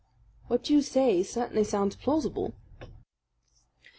"What you say certainly sounds plausible."